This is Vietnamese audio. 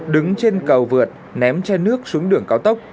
đứng trên cầu vượt ném che nước xuống đường cao tốc